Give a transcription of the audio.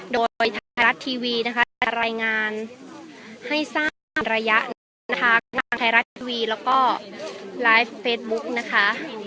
โดยไทยรัฐทีวีนะคะรายงานให้สร้างระยะทางไทยรัฐทีวีแล้วก็ไลฟ์เฟสบุ๊คนะคะ